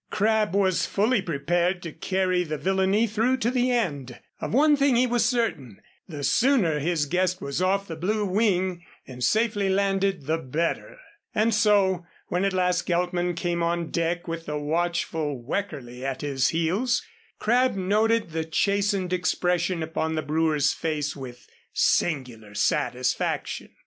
Crabb was fully prepared to carry the villainy through to the end. Of one thing he was certain, the sooner his guest was off the Blue Wing and safely landed the better. And so, when at last Geltman came on deck with the watchful Weckerly at his heels, Crabb noted the chastened expression upon the brewer's face with singular satisfaction.